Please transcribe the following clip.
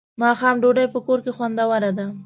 ماښام ډوډۍ په کور کې خوندوره ده.